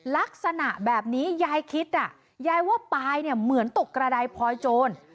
ลักษณะแบบนี้ยายคิดอ่ะยายว่าปลายเนี่ยเหมือนตกกระดายพลอยโจร